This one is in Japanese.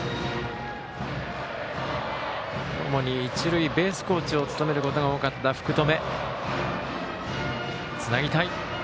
主に一塁ベースコーチを務めることが多かった福留。